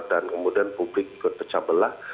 dan kemudian publik ikut pecah belah